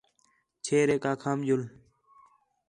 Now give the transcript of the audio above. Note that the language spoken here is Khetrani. چھیریک آکھام ڄُل